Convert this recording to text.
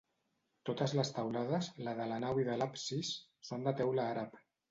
Totes les teulades, la de la nau i de l'absis, són de teula àrab.